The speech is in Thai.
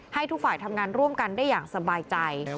ให้ทุกฝ่ายทำงานร่วมกันได้อย่างสบายใจ